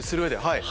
はい。